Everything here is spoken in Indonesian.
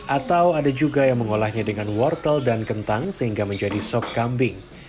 atau ada juga yang mengolahnya dengan wortel dan kentang sehingga menjadi sop kambing